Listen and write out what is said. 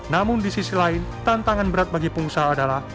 namun di sisi lain tantangan berat bagi pengusaha adalah